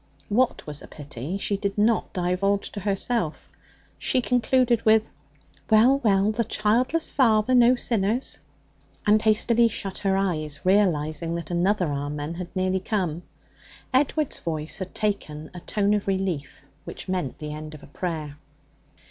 What was a pity she did not divulge to herself. She concluded with, 'Well, well, the childless father no sinners,' and hastily shut her eyes, realizing that another 'Amen' had nearly come. Edward's voice had taken a tone of relief which meant the end of a prayer.